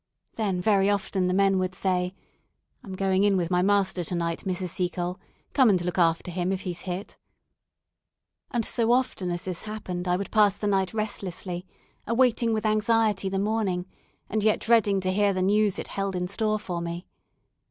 Then very often the men would say, "I'm going in with my master to night, Mrs. Seacole; come and look after him, if he's hit;" and so often as this happened I would pass the night restlessly, awaiting with anxiety the morning, and yet dreading to hear the news it held in store for me.